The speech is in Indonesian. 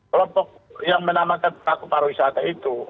kelompok yang menamakan penakut para wisata itu